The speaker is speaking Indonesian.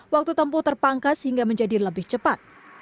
waktu tempuh terpangkas hingga menjadi lebih cepat